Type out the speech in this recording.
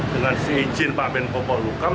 dengan seijin pak benkopo lukam